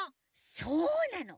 そうなの。